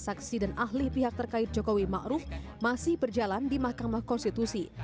ahli ahli pihak terkait jokowi ma'ruf masih berjalan di mahkamah konstitusi